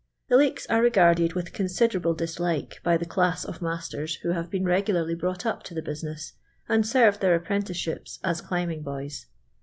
The Ireks are reparded witli considrrable dis like by the class of nuisters who have been regu larly brought up to the business, and served their apprenticeships as climbing boys.